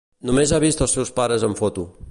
Només ha vist els seus pares en foto.